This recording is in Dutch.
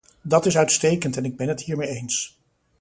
Dat is uitstekend en ik ben het hiermee eens.